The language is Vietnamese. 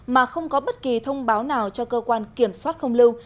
mà không có bất kỳ thông báo nào cho cơ quan kiểm soát không lưu